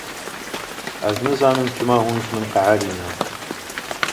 Ez nizanim çima hûn ji min qehrîne